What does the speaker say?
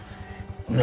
何？